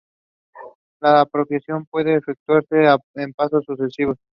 La aproximación puede efectuarse en pasos sucesivos.